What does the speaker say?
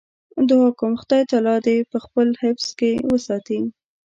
دعا کوم خدای تعالی دې په خپل حفظ کې وساتي.